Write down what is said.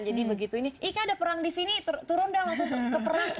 jadi begitu ini ika ada perang di sini turun dah langsung ke perang